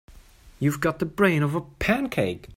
You've got the brain of a pancake.